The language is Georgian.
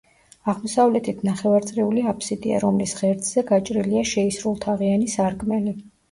აღმოსავლეთით ნახევარწრიული აფსიდია, რომლის ღერძზე გაჭრილია შეისრულთაღიანი სარკმელი.